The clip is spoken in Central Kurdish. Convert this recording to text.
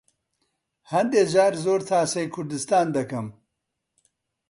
هەندێ جار زۆر تاسەی کوردستان دەکەم.